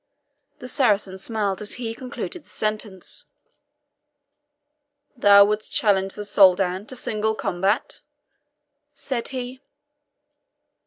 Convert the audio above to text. The Saracen smiled as he concluded the sentence. "Thou wouldst challenge the Soldan to single combat?" said he.